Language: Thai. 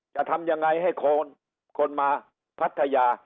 จะทำยังไงให้คนคนมาพัทยา